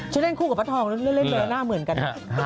ฉันเล่นคู่กับปั๊ดทองเล่นเบลอหน้าเหมือนกัน